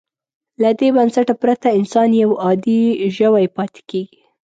له دې بنسټه پرته انسان یو عادي ژوی پاتې کېږي.